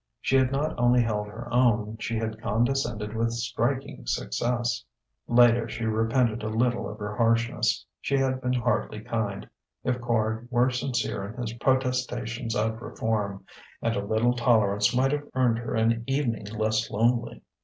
She had not only held her own, she had condescended with striking success. Later, she repented a little of her harshness; she had been hardly kind, if Quard were sincere in his protestations of reform; and a little tolerance might have earned her an evening less lonely.